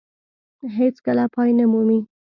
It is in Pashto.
هېڅ کله پای نه مومي.